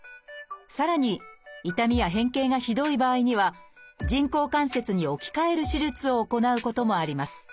さらに痛みや変形がひどい場合には人工関節に置き換える手術を行うこともあります